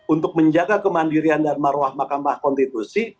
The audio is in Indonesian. untuk menjaga kemandirian dan maruah mahkamah konstitusi